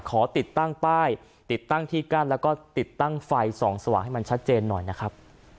ขอติดตั้งป้ายติดตั้งที่กั้นแล้วก็ติดตั้งไฟส่องสว่างให้มันชัดเจนหน่อยนะครับ